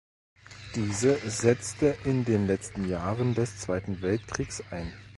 Diese setzte in den letzten Jahren des Zweiten Weltkriegs ein.